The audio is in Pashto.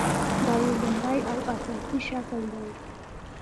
دا یې لومړۍ او اساسي شکل دی.